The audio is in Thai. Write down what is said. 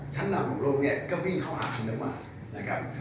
ชั้นหลังของตัวโลกเนี่ยก็มีเขาามากนะครับ